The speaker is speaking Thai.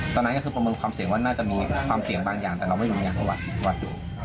ตอนนั้นก็คือประมวลความเสี่ยงวัดน่าจะมีความเสี่ยงบางอย่างแต่เราไม่รู้ยังว่าวัดดู